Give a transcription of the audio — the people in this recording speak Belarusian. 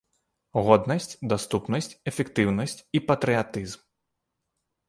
Годнасць, даступнасць, эфектыўнасць і патрыятызм.